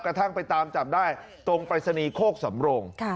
กระทั่งไปตามจับได้ตรงปรายศนีย์โคกสำโรง